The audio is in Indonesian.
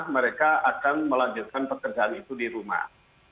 mereka akan melanjutkan pekerjaan itu di rumah